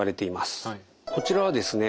こちらはですね